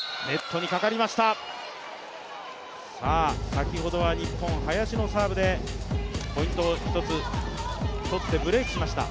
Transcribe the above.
先ほどは日本、林のサーブでポイントを１つ取って、ブレイクしました。